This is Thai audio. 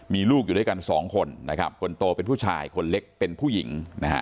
มีลูกอยู่ด้วยกันสองคนนะครับคนโตเป็นผู้ชายคนเล็กเป็นผู้หญิงนะฮะ